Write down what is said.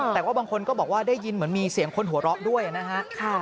แต่ว่าบางคนก็บอกว่าได้ยินเหมือนมีเสียงคนหัวเราะด้วยนะฮะ